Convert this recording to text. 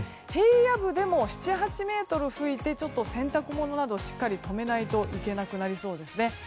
平野部でも７８メートル吹いて洗濯物などをしっかり留めないといけないですね。